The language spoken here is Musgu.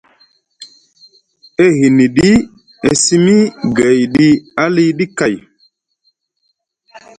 E hiniɗi e simi gayɗi aliɗi kay.